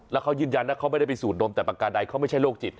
แล้วเขายืนยันนะเขาไม่ได้ไปสูดดมแต่ประการใดเขาไม่ใช่โรคจิต